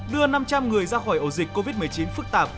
đưa năm trăm linh người ra khỏi ổ dịch covid một mươi chín phức tạp